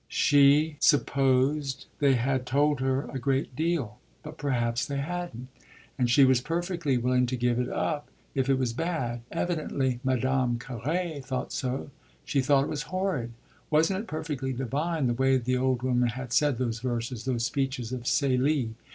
She supposed they had told her a great deal, but perhaps they hadn't, and she was perfectly willing to give it up if it was bad. Evidently Madame Carré thought so; she thought it was horrid. Wasn't it perfectly divine, the way the old woman had said those verses, those speeches of Célie?